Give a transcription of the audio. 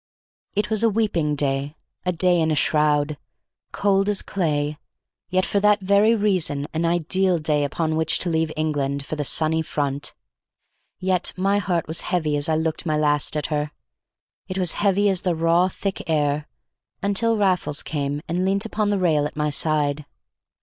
It was a weeping day, a day in a shroud, cold as clay, yet for that very reason an ideal day upon which to leave England for the sunny Front. Yet my heart was heavy as I looked my last at her; it was heavy as the raw, thick air, until Raffles came and leant upon the rail at my side.